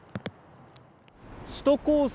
首都高速